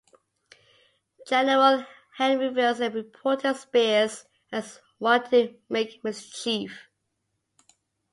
General Henry Wilson reported Spears as 'one to make mischief'.